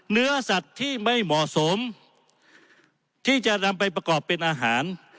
เนื้อสัตว์ที่ไม่เหมาะสมที่จะนำไปประกอบเป็นอาหาร